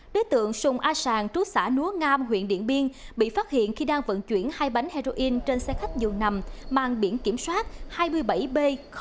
đối tượng sùng a sàng trú xã núa ngam huyện điện biên bị phát hiện khi đang vận chuyển hai bánh heroin trên xe khách dường nằm mang biển kiểm soát hai mươi bảy b một trăm bốn mươi một